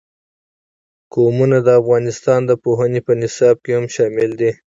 قومونه د افغانستان د پوهنې په نصاب کې هم شامل دي.